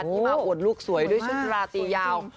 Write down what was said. ที่มาอวดลูกสวยด้วยชุดราตียาว